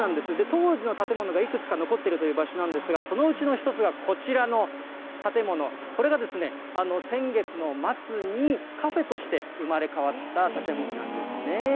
当時の建物がいくつか残っているという場所なんですが、そのうちの一つがこちらの建物、これが先月の末にカフェとして生まれ変わった建物なんですね。